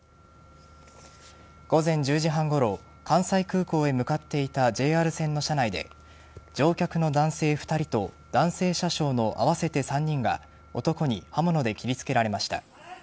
午前１０時半ごろ関西空港へ向かっていたＪＲ線の車内で乗客の男性２人と男性車掌の合わせて３人が男に刃物で切り付けられました。